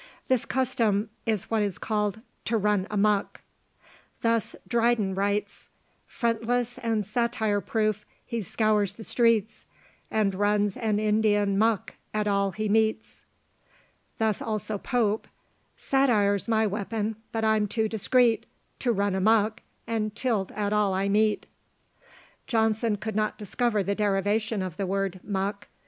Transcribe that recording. This custom is what is called "To run a muck." Thus Dryden writes "Frontless and satire proof, he scours the streets, And runs an Indian muck at all he meets." Thus also Pope "Satire's my weapon, but =I'm= too discreet To run a muck, and tilt at all I meet." Johnson could not discover the derivation of the word muck.